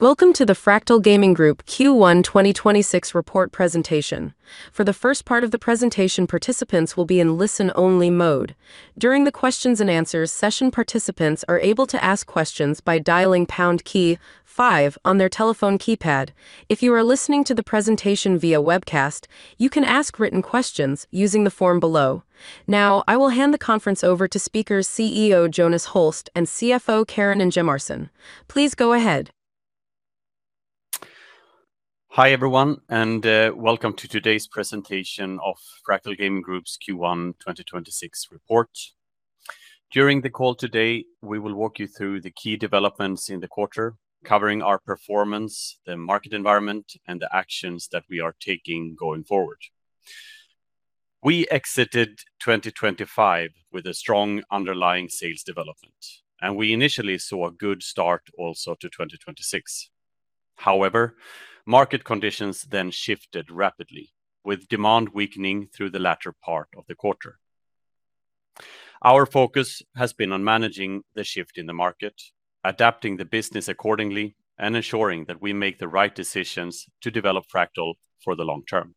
Welcome to the Fractal Gaming Group Q1 2026 report presentation. For the first part of the presentation, participants will be in listen-only mode. During the questions and answers session, participants are able to ask questions. Now, I will hand the conference over to speakers CEO Jonas Holst and CFO Karin Ingemarson. Please go ahead. Hi everyone, welcome to today's presentation of Fractal Gaming Group's Q1 2026 report. During the call today, we will walk you through the key developments in the quarter, covering our performance, the market environment, and the actions that we are taking going forward. We exited 2025 with a strong underlying sales development, we initially saw a good start also to 2026. However, market conditions shifted rapidly, with demand weakening through the latter part of the quarter. Our focus has been on managing the shift in the market, adapting the business accordingly, and ensuring that we make the right decisions to develop Fractal for the long term.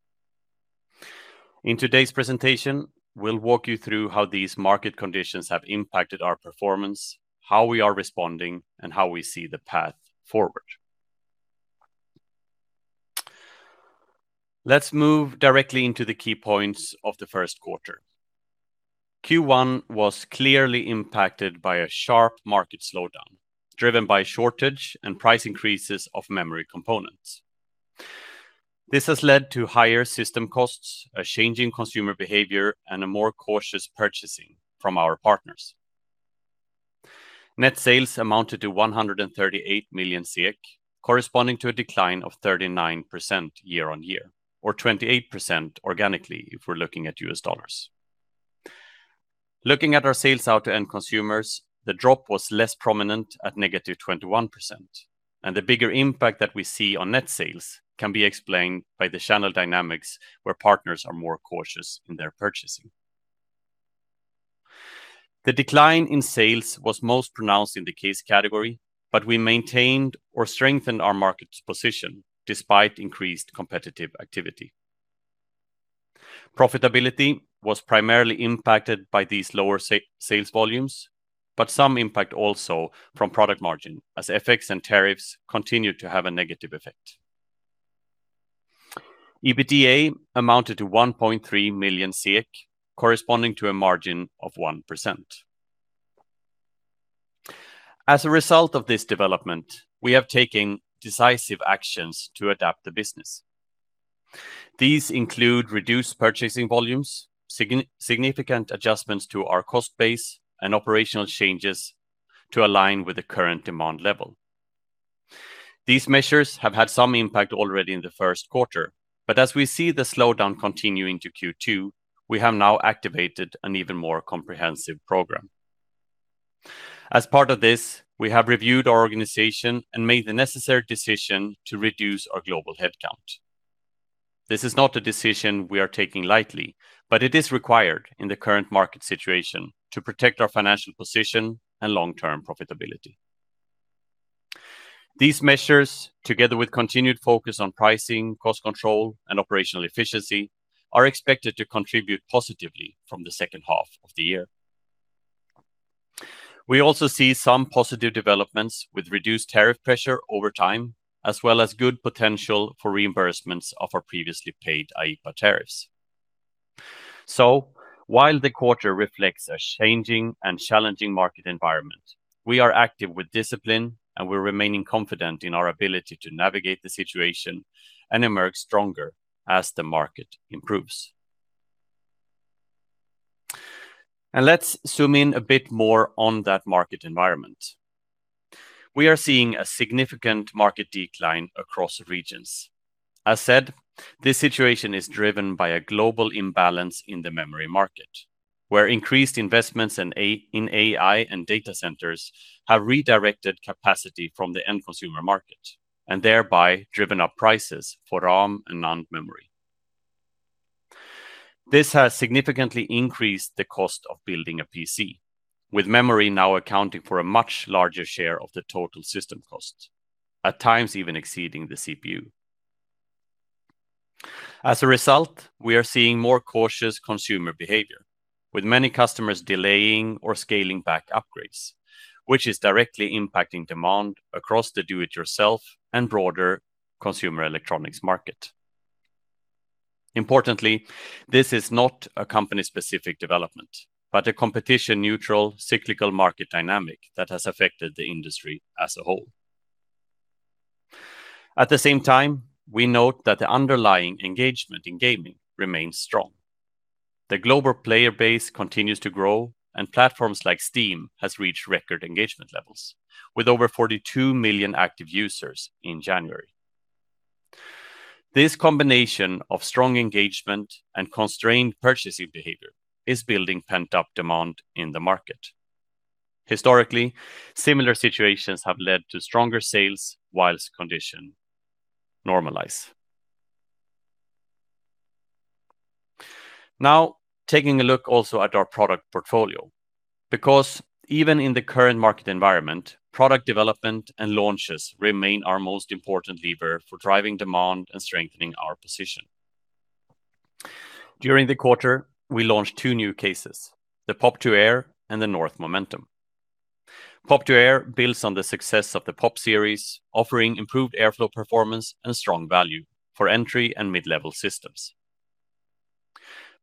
In today's presentation, we'll walk you through how these market conditions have impacted our performance, how we are responding, and how we see the path forward. Let's move directly into the key points of the first quarter. Q1 was clearly impacted by a sharp market slowdown driven by shortage and price increases of memory components. This has led to higher system costs, a change in consumer behavior, and a more cautious purchasing from our partners. Net sales amounted to 138 million, corresponding to a decline of 39% year-on-year or 28% organically if we're looking at US dollars. Looking at our sales out to end consumers, the drop was less prominent at -21%, and the bigger impact that we see on net sales can be explained by the channel dynamics where partners are more cautious in their purchasing. The decline in sales was most pronounced in the case category, but we maintained or strengthened our market position despite increased competitive activity. Profitability was primarily impacted by these lower sales volumes, but some impact also from product margin as FX and tariffs continued to have a negative effect. EBITDA amounted to 1.3 million, corresponding to a margin of 1%. As a result of this development, we have taken decisive actions to adapt the business. These include reduced purchasing volumes, significant adjustments to our cost base, and operational changes to align with the current demand level. These measures have had some impact already in the first quarter, but as we see the slowdown continuing to Q2, we have now activated an even more comprehensive program. As part of this, we have reviewed our organization and made the necessary decision to reduce our global headcount. This is not a decision we are taking lightly, but it is required in the current market situation to protect our financial position and long-term profitability. These measures, together with continued focus on pricing, cost control, and operational efficiency, are expected to contribute positively from the second half of the year. We also see some positive developments with reduced tariff pressure over time, as well as good potential for reimbursements of our previously paid IEEPA tariffs. While the quarter reflects a changing and challenging market environment, we are active with discipline, and we're remaining confident in our ability to navigate the situation and emerge stronger as the market improves. Let's zoom in a bit more on that market environment. We are seeing a significant market decline across regions. As said, this situation is driven by a global imbalance in the memory market, where increased investments in AI and data centers have redirected capacity from the end consumer market and thereby driven up prices for RAM and NAND memory. This has significantly increased the cost of building a PC, with memory now accounting for a much larger share of the total system cost, at times even exceeding the CPU. As a result, we are seeing more cautious consumer behavior, with many customers delaying or scaling back upgrades, which is directly impacting demand across the do-it-yourself and broader consumer electronics market. Importantly, this is not a company-specific development but a competition-neutral cyclical market dynamic that has affected the industry as a whole. At the same time, we note that the underlying engagement in gaming remains strong. The global player base continues to grow, and platforms like Steam has reached record engagement levels, with over 42 million active users in January. This combination of strong engagement and constrained purchasing behavior is building pent-up demand in the market. Historically, similar situations have led to stronger sales whilst condition normalize. Now taking a look also at our product portfolio, because even in the current market environment, product development and launches remain our most important lever for driving demand and strengthening our position. During the quarter, we launched two new cases: the Pop 2 Air and the North Momentum. Pop 2 Air builds on the success of the Pop series, offering improved airflow performance and strong value for entry and mid-level systems.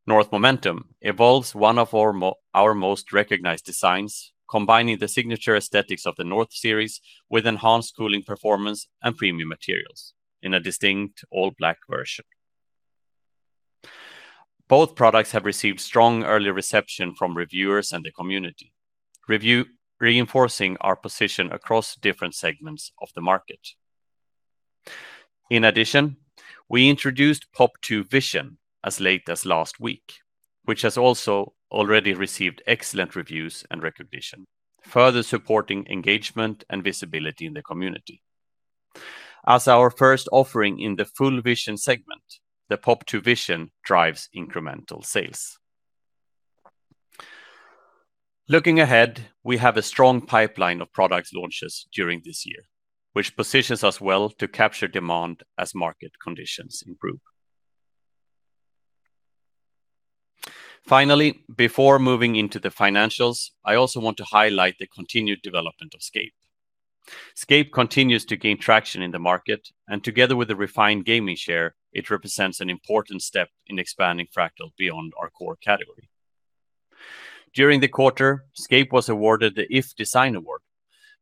North Momentum evolves one of our most recognized designs, combining the signature aesthetics of the North series with enhanced cooling performance and premium materials in a distinct all-black version. Both products have received strong early reception from reviewers and the community, reinforcing our position across different segments of the market. In addition, we introduced Pop 2 Vision as late as last week, which has also already received excellent reviews and recognition, further supporting engagement and visibility in the community. As our first offering in the full vision segment, the Pop 2 Vision drives incremental sales. Looking ahead, we have a strong pipeline of product launches during this year, which positions us well to capture demand as market conditions improve. Finally, before moving into the financials, I also want to highlight the continued development of Scape. Scape continues to gain traction in the market, and together with the Refine gaming chair, it represents an important step in expanding Fractal beyond our core category. During the quarter, Scape was awarded the iF Design Award,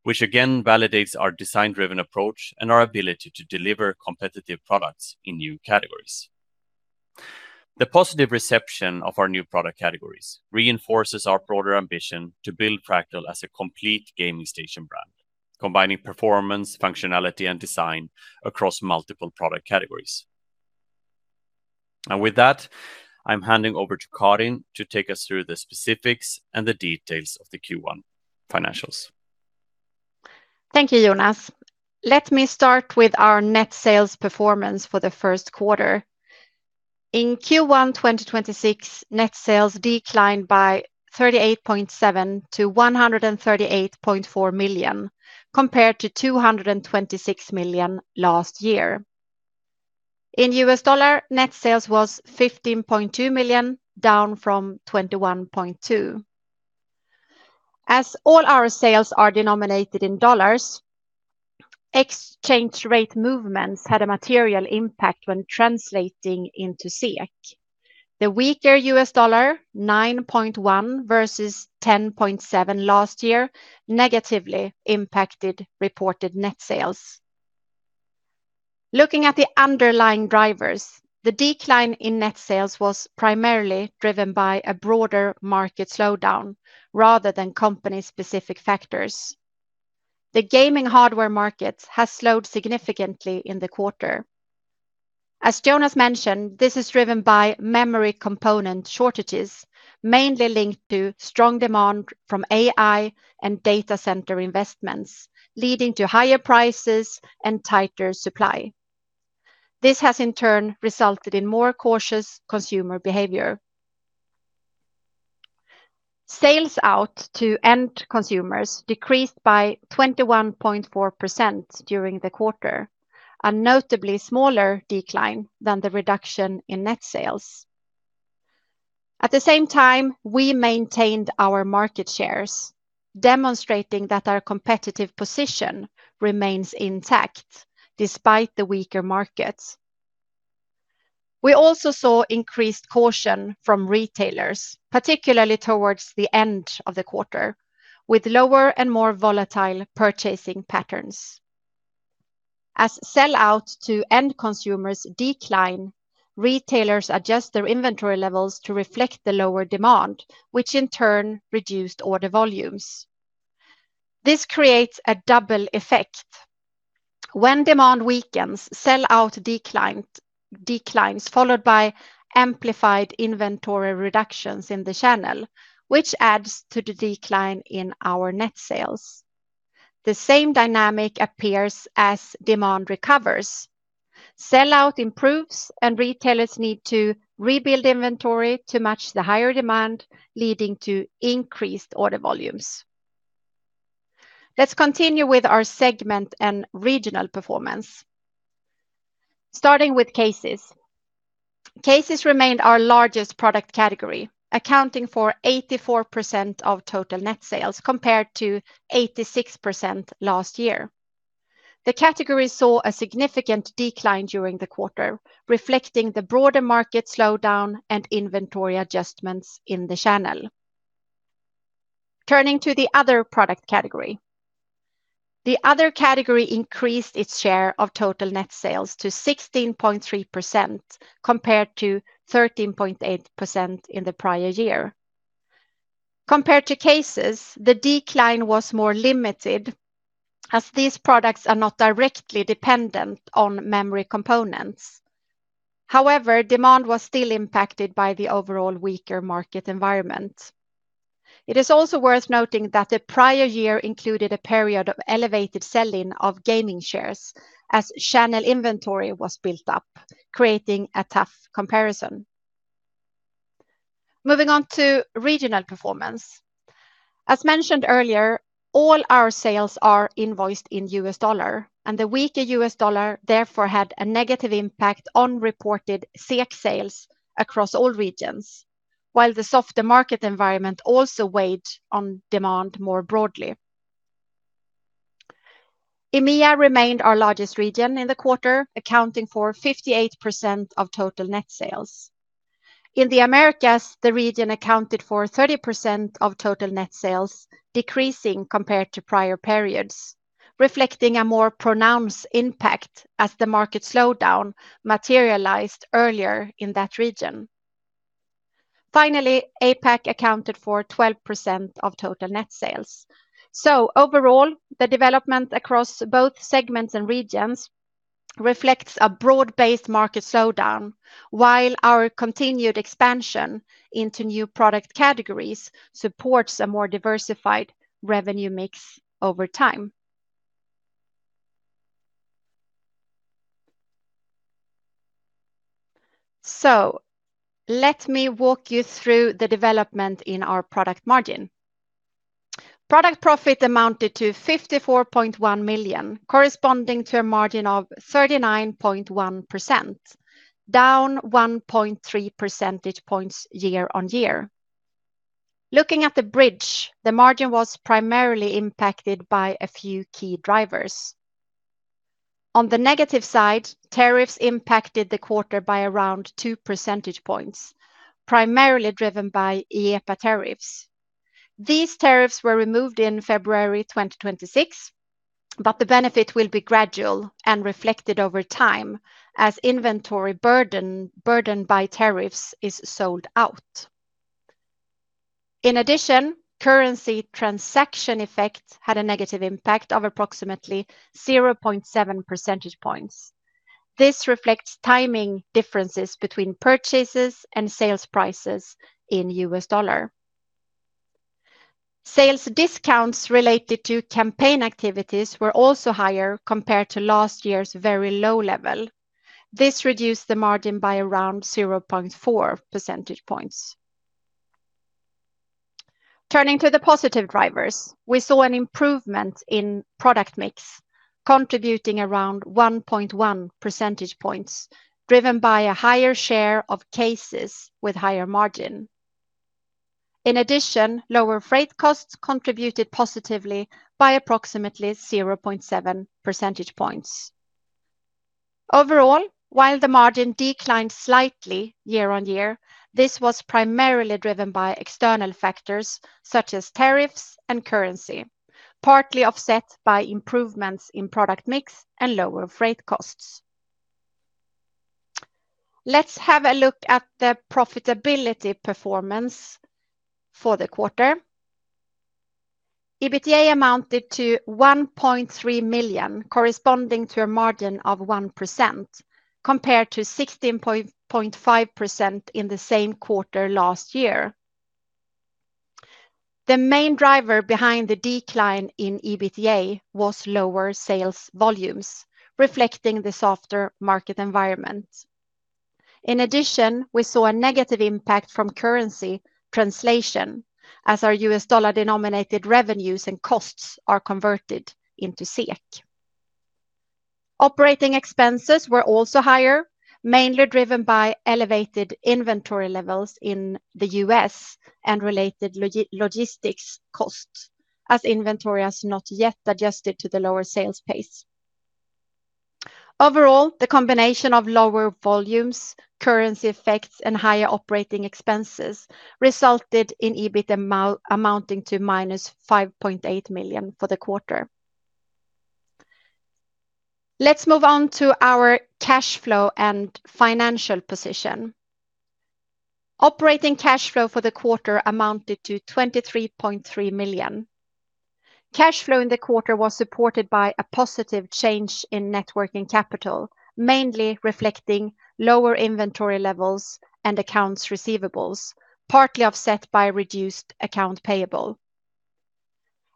which again validates our design-driven approach and our ability to deliver competitive products in new categories. The positive reception of our new product categories reinforces our broader ambition to build Fractal as a complete gaming station brand, combining performance, functionality, and design across multiple product categories. With that, I'm handing over to Karin to take us through the specifics and the details of the Q1 financials. Thank you, Jonas. Let me start with our net sales performance for the first quarter. In Q1 2026, net sales declined by 38.7% to 138.4 million, compared to 226 million last year. In U.S. dollar, net sales was $15.2 million, down from $21.2 million. As all our sales are denominated in dollars, exchange rate movements had a material impact when translating into SEK. The weaker U.S. dollar, 9.1 versus 10.7 last year, negatively impacted reported net sales. Looking at the underlying drivers, the decline in net sales was primarily driven by a broader market slowdown rather than company-specific factors. The gaming hardware market has slowed significantly in the quarter. As Jonas mentioned, this is driven by memory component shortages, mainly linked to strong demand from AI and data center investments, leading to higher prices and tighter supply. This has in turn resulted in more cautious consumer behavior. Sales out to end consumers decreased by 21.4% during the quarter, a notably smaller decline than the reduction in net sales. At the same time, we maintained our market shares, demonstrating that our competitive position remains intact despite the weaker markets. We also saw increased caution from retailers, particularly towards the end of the quarter, with lower and more volatile purchasing patterns. As sellouts to end consumers decline, retailers adjust their inventory levels to reflect the lower demand, which in turn reduced order volumes. This creates a double effect. When demand weakens, sellout declines, followed by amplified inventory reductions in the channel, which adds to the decline in our net sales. The same dynamic appears as demand recovers. Sellout improves, retailers need to rebuild inventory to match the higher demand, leading to increased order volumes. Let's continue with our segment and regional performance. Starting with cases. Cases remained our largest product category, accounting for 84% of total net sales compared to 86% last year. The category saw a significant decline during the quarter, reflecting the broader market slowdown and inventory adjustments in the channel. Turning to the other product category. The other category increased its share of total net sales to 16.3% compared to 13.8% in the prior year. Compared to cases, the decline was more limited, as these products are not directly dependent on memory components. However, demand was still impacted by the overall weaker market environment. It is also worth noting that the prior year included a period of elevated sell-in of gaming chairs as channel inventory was built up, creating a tough comparison. Moving on to regional performance. As mentioned earlier, all our sales are invoiced in U.S. dollar, and the weaker U.S. dollar therefore had a negative impact on reported SEK sales across all regions, while the softer market environment also weighed on demand more broadly. EMEA remained our largest region in the quarter, accounting for 58% of total net sales. In the Americas, the region accounted for 30% of total net sales, decreasing compared to prior periods, reflecting a more pronounced impact as the market slowdown materialized earlier in that region. Finally, APAC accounted for 12% of total net sales. Overall, the development across both segments and regions reflects a broad-based market slowdown, while our continued expansion into new product categories supports a more diversified revenue mix over time. Let me walk you through the development in our product margin. Product profit amounted to 54.1 million, corresponding to a margin of 39.1%, down 1.3 percentage points year-on-year. Looking at the bridge, the margin was primarily impacted by a few key drivers. On the negative side, tariffs impacted the quarter by around two percentage points, primarily driven by IEEPA tariffs. These tariffs were removed in February 2026, but the benefit will be gradual and reflected over time as inventory burden by tariffs is sold out. In addition, currency transaction effect had a negative impact of approximately 0.7 percentage points. This reflects timing differences between purchases and sales prices in US dollar. Sales discounts related to campaign activities were also higher compared to last year's very low level. This reduced the margin by around 0.4 percentage points. Turning to the positive drivers, we saw an improvement in product mix, contributing around 1.1 percentage points, driven by a higher share of cases with higher margin. In addition, lower freight costs contributed positively by approximately 0.7 percentage points. Overall, while the margin declined slightly year-on-year, this was primarily driven by external factors such as tariffs and currency, partly offset by improvements in product mix and lower freight costs. Let's have a look at the profitability performance for the quarter. EBITDA amounted to 1.3 million, corresponding to a margin of 1% compared to 16.5% in the same quarter last year. The main driver behind the decline in EBITDA was lower sales volumes, reflecting the softer market environment. In addition, we saw a negative impact from currency translation as our US dollar-denominated revenues and costs are converted into SEK. Operating expenses were also higher, mainly driven by elevated inventory levels in the U.S. and related logistics costs as inventory has not yet adjusted to the lower sales pace. Overall, the combination of lower volumes, currency effects, and higher operating expenses resulted in EBIT amounting to -5.8 million for the quarter. Let's move on to our cash flow and financial position. Operating cash flow for the quarter amounted to 23.3 million. Cash flow in the quarter was supported by a positive change in net working capital, mainly reflecting lower inventory levels and accounts receivables, partly offset by reduced account payable.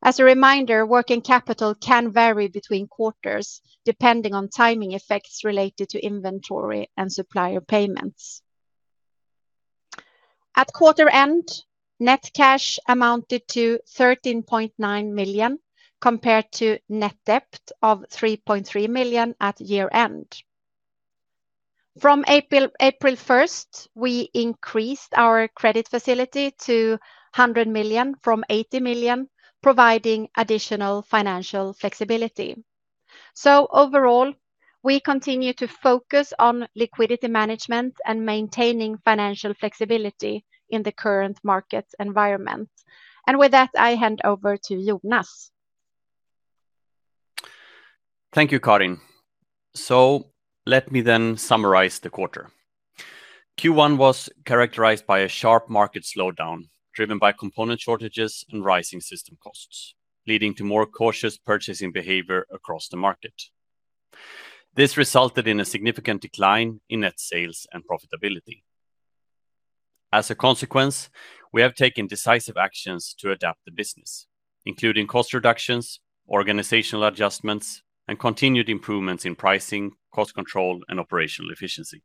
As a reminder, working capital can vary between quarters depending on timing effects related to inventory and supplier payments. At quarter end, net cash amounted to 13.9 million compared to net debt of 3.3 million at year-end. From April 1st, we increased our credit facility to 100 million from 80 million, providing additional financial flexibility. Overall, we continue to focus on liquidity management and maintaining financial flexibility in the current market environment. With that, I hand over to Jonas. Thank you, Karin. Let me then summarize the quarter. Q1 was characterized by a sharp market slowdown driven by component shortages and rising system costs, leading to more cautious purchasing behavior across the market. This resulted in a significant decline in net sales and profitability. As a consequence, we have taken decisive actions to adapt the business, including cost reductions, organizational adjustments, and continued improvements in pricing, cost control, and operational efficiency.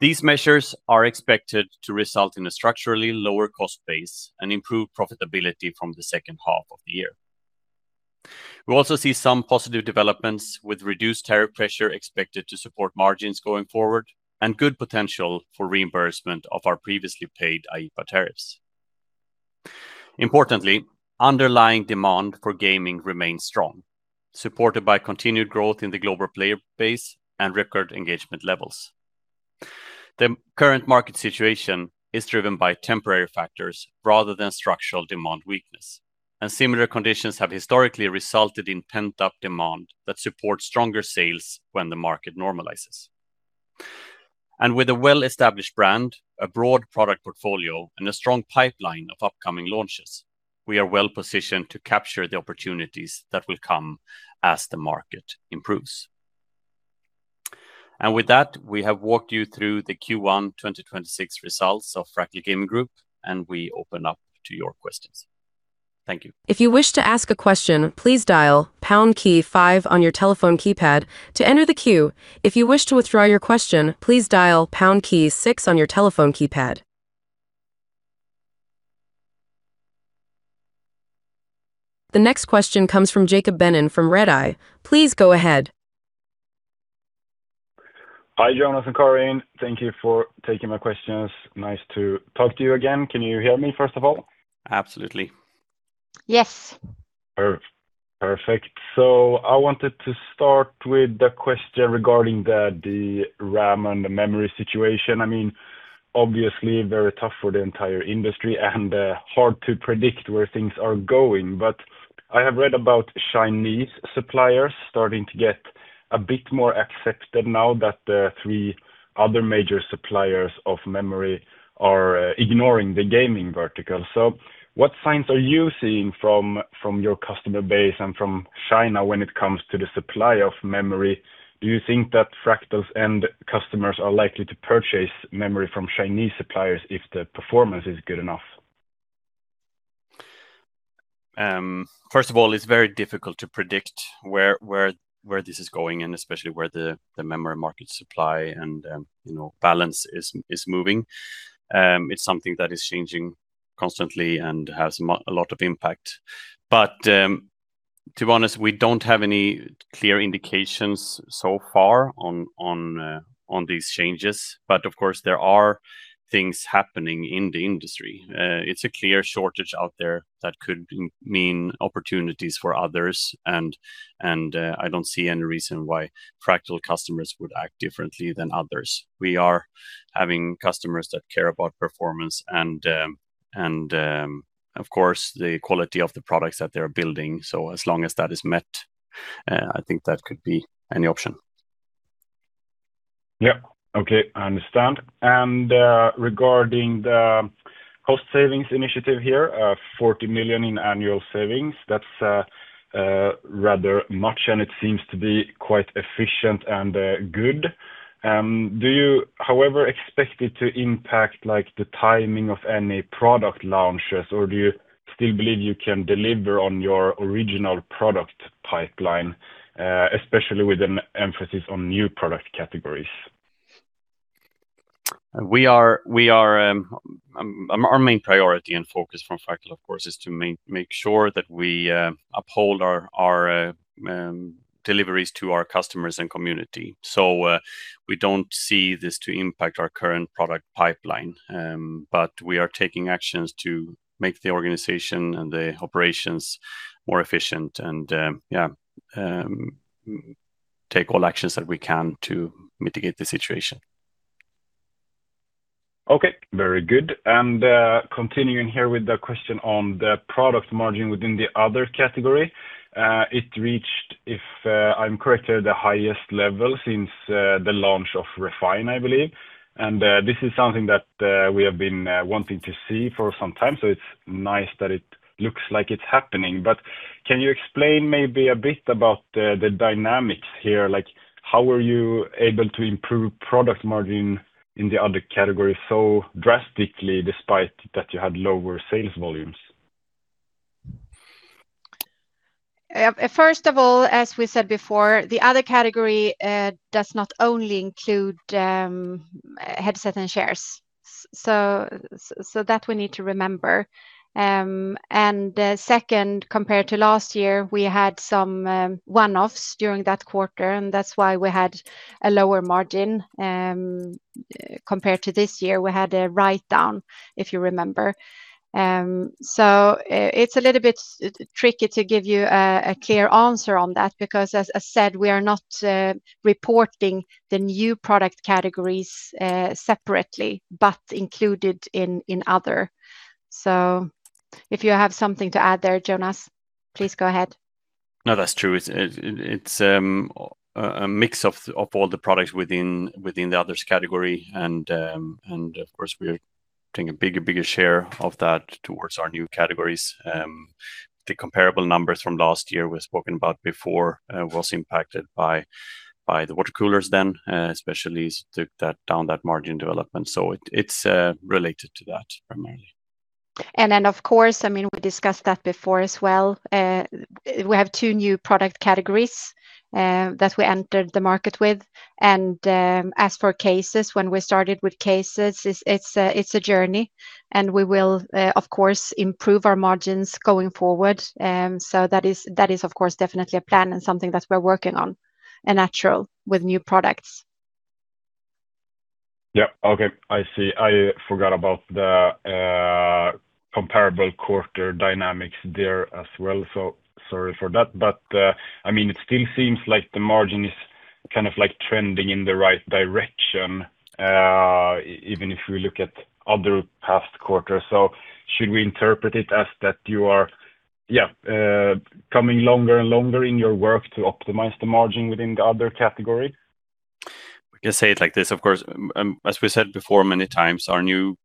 These measures are expected to result in a structurally lower cost base and improved profitability from the second half of the year. We also see some positive developments with reduced tariff pressure expected to support margins going forward and good potential for reimbursement of our previously paid IEEPA tariffs. Importantly, underlying demand for gaming remains strong, supported by continued growth in the global player base and record engagement levels. The current market situation is driven by temporary factors rather than structural demand weakness, and similar conditions have historically resulted in pent-up demand that supports stronger sales when the market normalizes. With a well-established brand, a broad product portfolio, and a strong pipeline of upcoming launches, we are well-positioned to capture the opportunities that will come as the market improves. With that, we have walked you through the Q1 2026 results of Fractal Gaming Group, and we open up to your questions. Thank you. If you wish to ask a question, please dial pound key five on your telephone keypad to enter the queue. If you wish to withdraw your question? Please dial pound key six on your telephone keypad. The next question comes from Jacob Benon from Redeye. Please go ahead. Hi, Jonas and Karin. Thank you for taking my questions. Nice to talk to you again. Can you hear me, first of all? Absolutely. Yes. Perfect. I wanted to start with the question regarding the RAM and the memory situation. I mean, obviously very tough for the entire industry and hard to predict where things are going. I have read about Chinese suppliers starting to get a bit more accepted now that the three other major suppliers of memory are ignoring the gaming vertical. What signs are you seeing from your customer base and from China when it comes to the supply of memory? Do you think that Fractal's end customers are likely to purchase memory from Chinese suppliers if the performance is good enough? First of all, it's very difficult to predict where, where this is going and especially where the memory market supply and, you know, balance is moving. It's something that is changing constantly and has a lot of impact. To be honest, we don't have any clear indications so far on these changes. Of course, there are things happening in the industry. It's a clear shortage out there that could mean opportunities for others, and I don't see any reason why Fractal customers would act differently than others. We are having customers that care about performance and, of course, the quality of the products that they're building. As long as that is met, I think that could be an option. Yeah. Okay, I understand. Regarding the cost savings initiative here, 40 million in annual savings, that's rather much, and it seems to be quite efficient and good. Do you, however, expect it to impact, like, the timing of any product launches, or do you still believe you can deliver on your original product pipeline, especially with an emphasis on new product categories? Our main priority and focus from Fractal, of course, is to make sure that we uphold our deliveries to our customers and community. We don't see this to impact our current product pipeline, but we are taking actions to make the organization and the operations more efficient and, yeah, take all actions that we can to mitigate the situation. Very good. Continuing here with the question on the product margin within the other category, it reached, if I'm correct here, the highest level since the launch of Refine, I believe. This is something that we have been wanting to see for some time, so it's nice that it looks like it's happening. Can you explain maybe a bit about the dynamics here? Like, how were you able to improve product margin in the other category so drastically despite that you had lower sales volumes? First of all, as we said before, the other category does not only include headset and chairs, so that we need to remember. Second, compared to last year, we had some one offs during that quarter, and that's why we had a lower margin compared to this year. We had a write-down, if you remember. It's a little bit tricky to give you a clear answer on that because, as I said, we are not reporting the new product categories separately, but included in other. If you have something to add there, Jonas, please go ahead. No, that's true. It's a mix of all the products within the others category and of course we are taking a bigger share of that towards our new categories. The comparable numbers from last year we've spoken about before was impacted by the water coolers then especially took that down that margin development. It's related to that primarily. Of course, I mean, we discussed that before as well. We have two new product categories that we entered the market with. As for cases, when we started with cases, it's a journey, and we will, of course, improve our margins going forward. That is, of course, definitely a plan and something that we're working on, a natural with new products. Yeah. Okay. I see. I forgot about the comparable quarter dynamics there as well. Sorry for that. But, I mean, it still seems like the margin is kind of like trending in the right direction, even if we look at other past quarters. Should we interpret it as that you are, yeah, coming longer and longer in your work to optimize the margin within the other category? We can say it like this, of course. As we said before many times, our new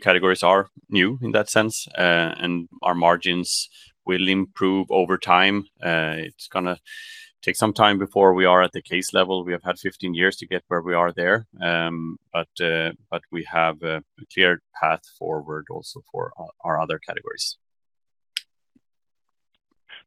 categories are new in that sense. Our margins will improve over time. It's gonna take some time before we are at the case level. We have had 15 years to get where we are there. We have a clear path forward also for our other categories.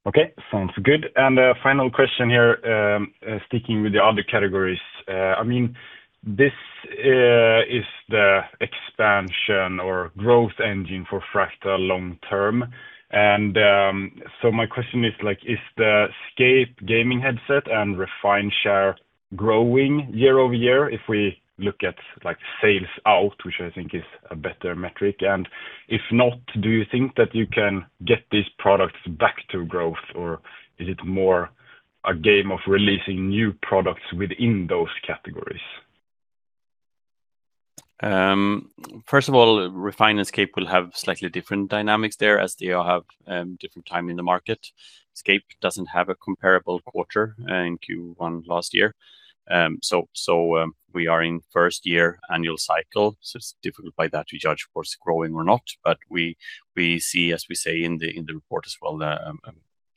Okay. Sounds good. A final question here, sticking with the other categories. I mean, this is the expansion or growth engine for Fractal long term. My question is, like, is the Scape gaming headset and Refine chair growing year-over-year if we look at, like, sales out, which I think is a better metric? If not, do you think that you can get these products back to growth, or is it more a game of releasing new products within those categories? First of all, Refine and Scape will have slightly different dynamics there as they all have different time in the market. Scape doesn't have a comparable quarter in Q1 last year. We are in first year annual cycle, it's difficult by that to judge what's growing or not. We see, as we say in the report as well, the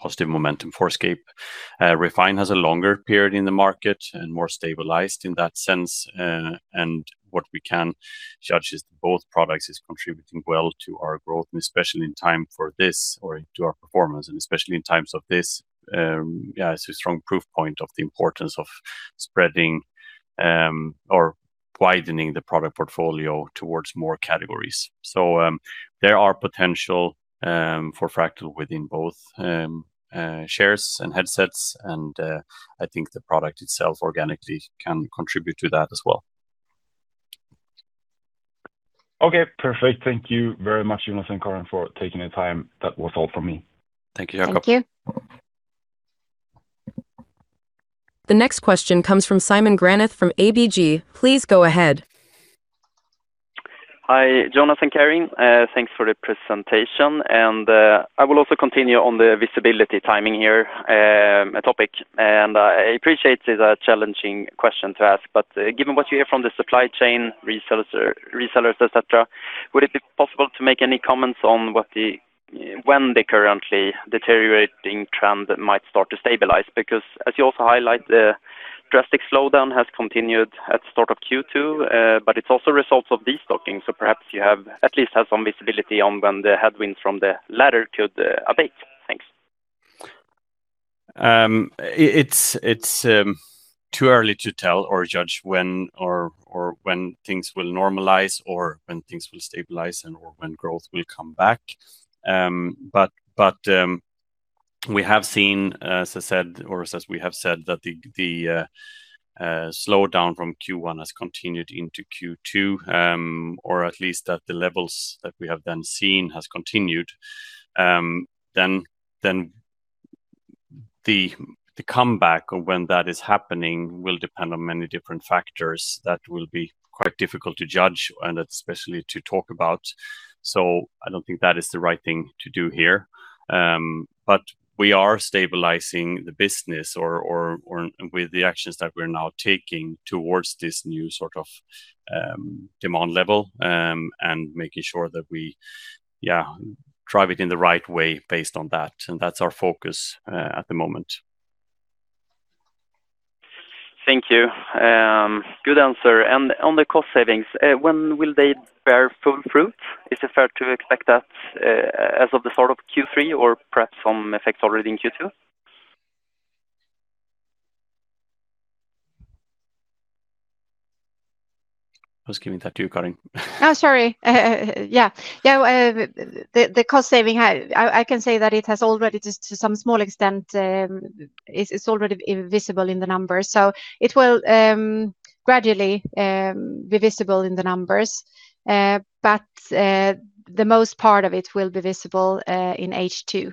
positive momentum for Scape. Refine has a longer period in the market and more stabilized in that sense. What we can judge is both products is contributing well to our growth and especially in time for this or to our performance. Especially in times of this, it's a strong proof point of the importance of spreading or widening the product portfolio towards more categories. There are potential for Fractal within both chairs and headsets, and I think the product itself organically can contribute to that as well. Okay, perfect. Thank you very much, Jonas and Karin, for taking the time. That was all from me. Thank you, Jacob. Thank you. The next question comes from Simon Granath from ABG. Please go ahead. Hi, Jonas and Karin. Thanks for the presentation. I will also continue on the visibility timing here topic. I appreciate it's a challenging question to ask. Given what you hear from the supply chain resellers, et cetera, would it be possible to make any comments on when the currently deteriorating trend might start to stabilize? As you also highlight, the drastic slowdown has continued at start of Q2, but it also results of destocking. Perhaps you at least have some visibility on when the headwinds from the latter could abate. Thanks. It's too early to tell or judge when or when things will normalize or when things will stabilize and/or when growth will come back. We have seen, as I said, or as we have said, that the slowdown from Q1 has continued into Q2, or at least that the levels that we have then seen has continued. The comeback or when that is happening will depend on many different factors that will be quite difficult to judge and especially to talk about. I don't think that is the right thing to do here. We are stabilizing the business or with the actions that we're now taking towards this new sort of, demand level, and making sure that we, yeah, drive it in the right way based on that. That's our focus, at the moment. Thank you. Good answer. On the cost savings, when will they bear full fruit? Is it fair to expect that as of the start of Q3 or perhaps some effect already in Q2? I was giving that to you, Karin. Oh, sorry. Yeah, yeah. The cost saving, I can say that it has already just to some small extent, it's already visible in the numbers. It will gradually be visible in the numbers. The most part of it will be visible in H2.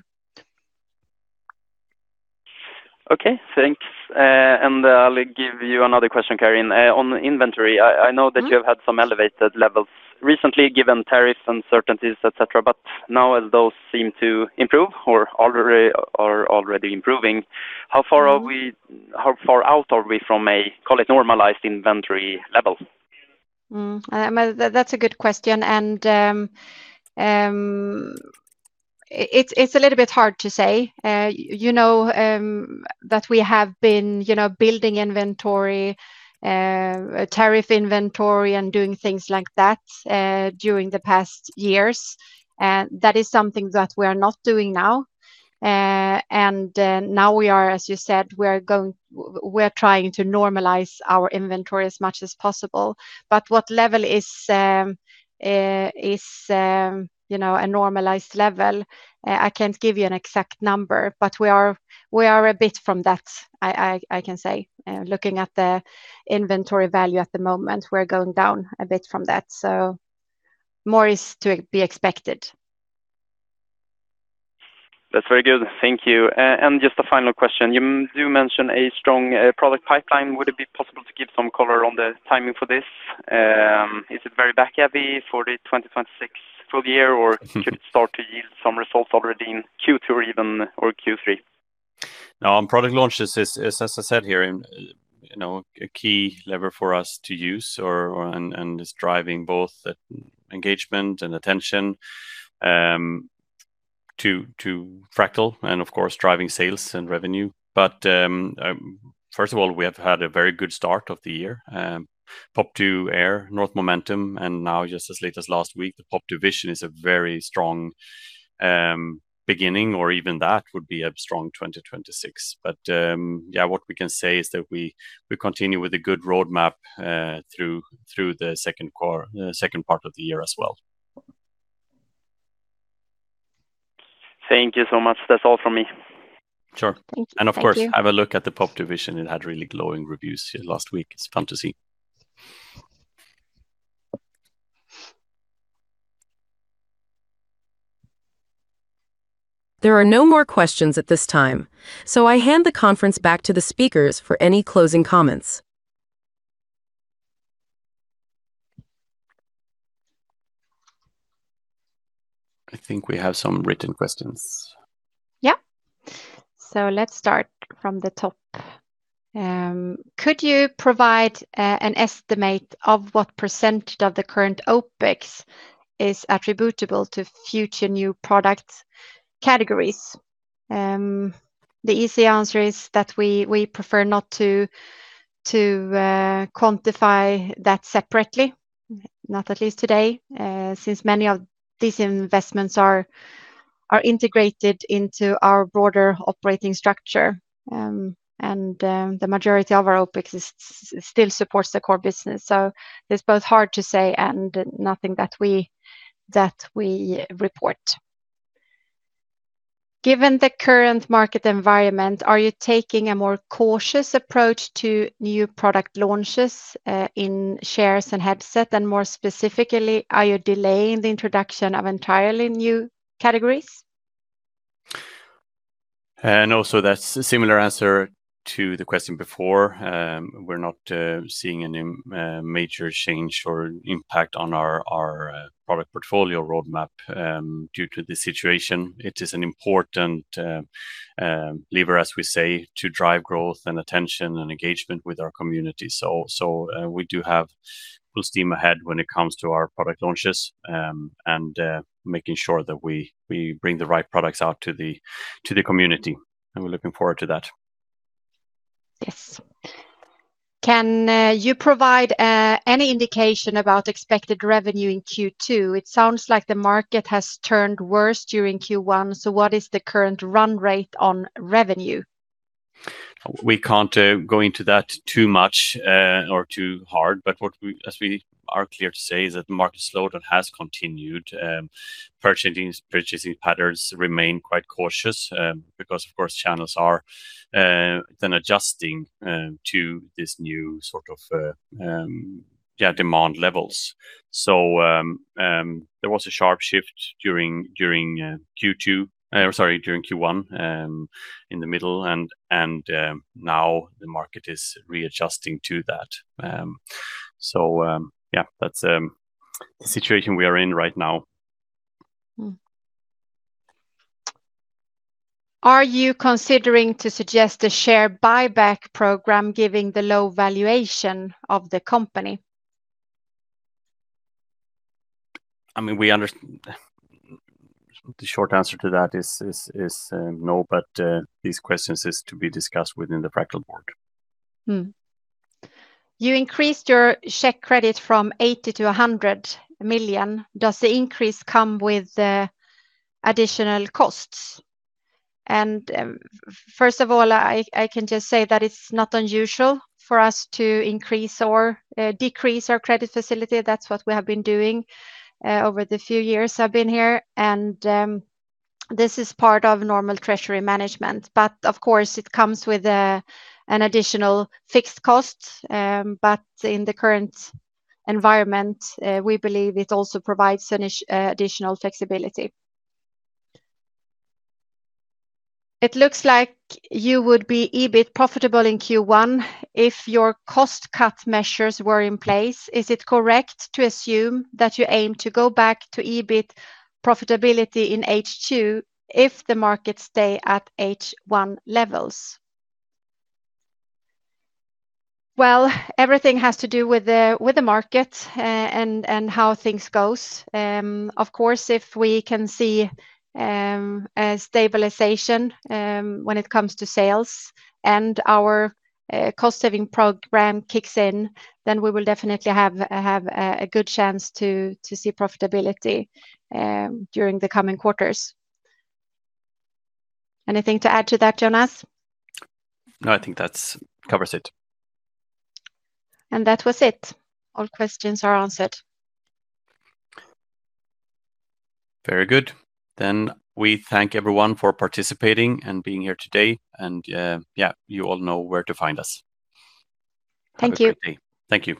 Okay, thanks. I'll give you another question, Karin. On inventory, I know that you have had some elevated levels recently given tariff uncertainties, et cetera. Now as those seem to improve or are already improving. How far are we? hHow far out are we from a, call it normalized inventory level? Mm-hmm. That's a good question, it's a little bit hard to say. You know, that we have been, you know, building inventory, tariff inventory and doing things like that, during the past years. That is something that we are not doing now. Now we are, as you said, we are trying to normalize our inventory as much as possible. What level is, you know, a normalized level, I can't give you an exact number, but we are, we are a bit from that, I can say. Looking at the inventory value at the moment, we're going down a bit from that, so more is to be expected. That's very good. Thank you. Just a final question. You do mention a strong product pipeline. Would it be possible to give some color on the timing for this? Is it very back heavy for the 2026 full year? Should it start to yield some results already in Q2 or Q3? On product launches, as I said here, you know, a key lever for us to use and is driving both the engagement and attention to Fractal and of course, driving sales and revenue. First of all, we have had a very good start of the year, Pop 2 Air, North, and now just as late as last week, the Pop 2 Vision is a very strong beginning, or even that would be a strong 2026. Yeah, what we can say is that we continue with a good roadmap through the second part of the year as well. Thank you so much. That's all from me. Sure. Thank you. Of course, have a look at the Pop 2 Vision. It had really glowing reviews here last week. It's fun to see. There are no more questions at this time, so I hand the conference back to the speakers for any closing comments. I think we have some written questions. Yeah. Let's start from the top. Could you provide an estimate of what % of the current OpEx is attributable to future new product categories? The easy answer is that we prefer not to quantify that separately, not at least today, since many of these investments are integrated into our broader operating structure. The majority of our OpEx still supports the core business. It's both hard to say and nothing that we report. Given the current market environment, are you taking a more cautious approach to new product launches in chairs and headset? More specifically, are you delaying the introduction of entirely new categories? Also that's a similar answer to the question before. We're not seeing any major change or impact on our product portfolio roadmap due to the situation. It is an important lever, as we say, to drive growth and attention and engagement with our community. We do have full steam ahead when it comes to our product launches and making sure that we bring the right products out to the community, and we're looking forward to that. Yes. Can you provide any indication about expected revenue in Q2? It sounds like the market has turned worse during Q1, what is the current run rate on revenue? We can't go into that too much or too hard. What we are clear to say is that the market slowdown has continued. Purchasing patterns remain quite cautious because of course, channels are then adjusting to this new sort of demand levels. There was a sharp shift during Q1 in the middle and now the market is readjusting to that. That's the situation we are in right now. Mm-hmm. Are you considering to suggest a share buyback program given the low valuation of the company? I mean, the short answer to that is no, these questions is to be discussed within the Fractal board. Mm-hmm. You increased your check credit from 80 million to 100 million. Does the increase come with additional costs? First of all, I can just say that it's not unusual for us to increase or decrease our credit facility. That's what we have been doing over the few years I've been here. This is part of normal treasury management, but of course, it comes with an additional fixed cost. In the current environment, we believe it also provides an additional flexibility. It looks like you would be EBIT profitable in Q1 if your cost cut measures were in place. Is it correct to assume that you aim to go back to EBIT profitability in H2 if the markets stay at H1 levels? Well, everything has to do with the market and how things goes. Of course, if we can see a stabilization when it comes to sales and our cost saving program kicks in, then we will definitely have a good chance to see profitability during the coming quarters. Anything to add to that, Jonas? No, I think that covers it. That was it. All questions are answered. Very good. We thank everyone for participating and being here today. You all know where to find us. Thank you. Have a great day. Thank you.